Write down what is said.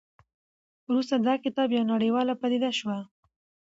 وروسته دا کتاب یوه نړیواله پدیده شوه.